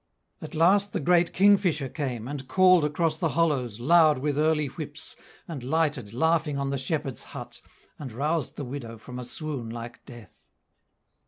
At last the great kingfisher came, and called Across the hollows, loud with early whips, And lighted, laughing, on the shepherd's hut, And roused the widow from a swoon like death.